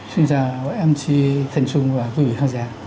xin chào em chị thành trung và quý vị khán giả